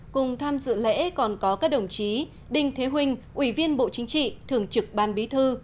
cùng tham dự lễ còn có các đồng chí đinh thế huynh ủy viên bộ chính trị thường trực ban bí thư